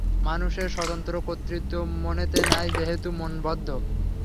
মানুষের স্বতন্ত্র কর্তৃত্ব মনেতে নাই, যেহেতু মন বদ্ধ।